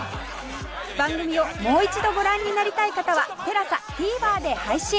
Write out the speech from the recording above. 番組をもう一度ご覧になりたい方は ＴＥＬＡＳＡＴＶｅｒ で配信